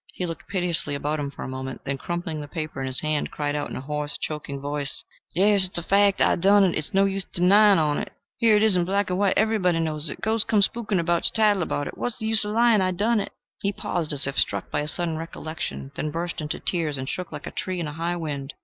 He looked piteously about him for a moment, then crumpling the paper in his hand, cried out in a hoarse, choking voice, "Yes, it's a fact: I done it. It's no use denying on't.. Here it is, in black and white. Everybody knows it: ghosts come spooking around to tattle about it. What's the use of lying? I done it." He paused, as if struck by a sudden recollection, then burst into tears and shook like a tree in a high wind.